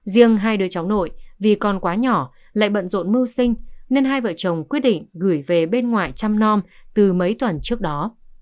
riêng hai đứa cháu nội vì còn quá nhỏ lại bận rộn mưu sinh nên hai vợ chồng quyết định gửi về bên ngoài chăm no từ mấy tuần trước đó